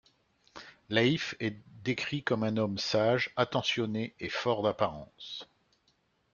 Leif est décrit comme un homme sage, attentionné et fort d'apparence.